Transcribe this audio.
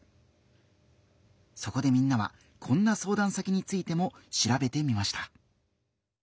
そこでみんなはこんな相談先についてもしらべてみました。